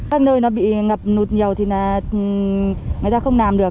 các nơi nó bị ngập nụt nhiều thì là người ta không làm được